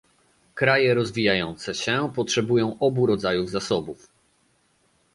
Kraje rozwijające się potrzebują obu rodzajów zasobów